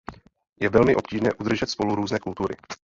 Je velmi obtížné udržet spolu různé kultury.